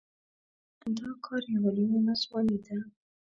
دا کار يوه لويه ناځواني ده.